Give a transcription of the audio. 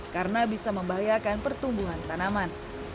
karena bisa membahayakan pertumbuhan tanaman